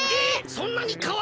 そんなにかわる！？